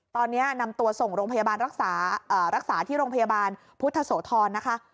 ตอนนี้นำตัวส่งโรงพยาบาลรักษารักษาที่โรงพยาบาลพุทธโสธรนะคะ